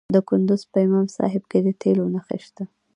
د کندز په امام صاحب کې د تیلو نښې شته.